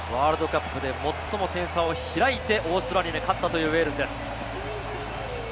ワールドカップで最も点差を開いてオーストラリアに勝ったというウェールズです。